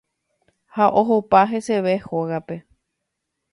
ha ohopa heseve hógape.